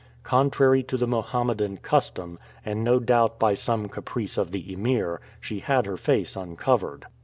Contrary to the Mahometan custom, and no doubt by some caprice of the Emir, she had her face uncovered.